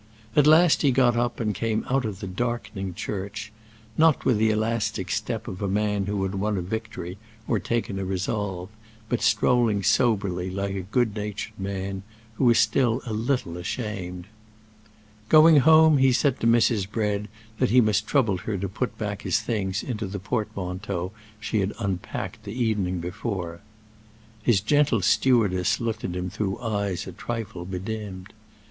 At last he got up and came out of the darkening church; not with the elastic step of a man who had won a victory or taken a resolve, but strolling soberly, like a good natured man who is still a little ashamed. Going home, he said to Mrs. Bread that he must trouble her to put back his things into the portmanteau she had unpacked the evening before. His gentle stewardess looked at him through eyes a trifle bedimmed.